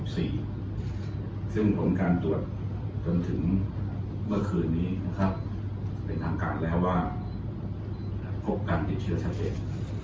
ซึ่งผลการตรวจจนถึงเมื่อคืนนี้นะครับในทางการแล้วว่าพบการติดเชื้อชัดเจน